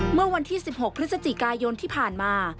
เมื่อวันที่๑๖พฤศจิกายนที่ผ่านมา